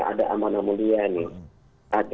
ada amanah mulia nih